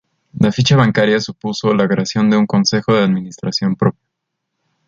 La ficha bancaria supuso la creación de un consejo de administración propio.